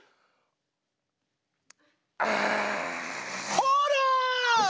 ほら！